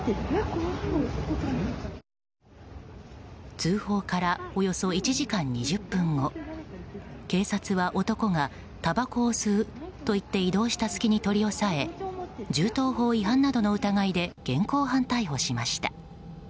通報からおよそ１時間２０分後警察は男がたばこを吸うと言って移動した隙に取り押さえ銃刀法違反の疑いなどで現行犯逮捕しました。